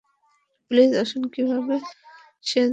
Please আসুন কিভাবে সে ধরা পড়ল?